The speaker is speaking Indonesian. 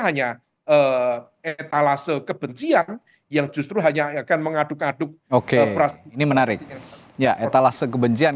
hanya etalase kebencian yang justru hanya akan mengaduk aduk oke pras ini menarik ya etalase kebencian